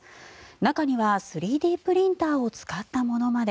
中には３Ｄプリンターを使ったものまで。